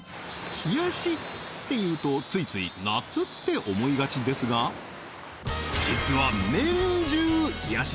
「冷やし」っていうとついつい夏って思いがちですが実は年中冷やし